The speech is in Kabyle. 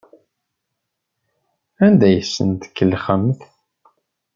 Anda ay asen-tkellxemt?